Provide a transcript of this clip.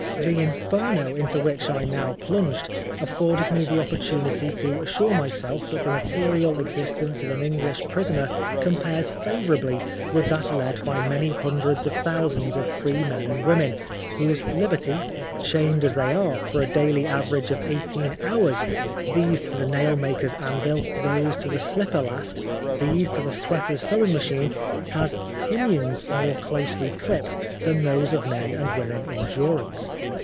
The Inferno into which I now plunged, afforded me the opportunity to assure myself that the material existence of an English prisoner compares favourably with that led by many hundreds of thou sands of free men and women, whose liberty, chained as they are, for a daily average of eighteen hours, these to the nailmaker's anvil, those to the slipper last, these to the sweater's sewing machine, has pinions more closely dipped than those of men and 2IO Oscar Wilde women in durance.